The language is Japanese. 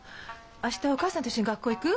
あしたお母さんと一緒に学校へ行く？